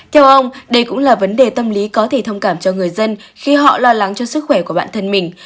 theo ông đây cũng là vấn đề tâm lý có thể thông cảm cho người dân khi họ lo lắng cho sức khỏe của bản thân mình